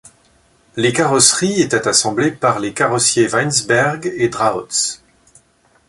Les carrosseries étaient assemblées par les carrossiers Weinsberg et Drauz.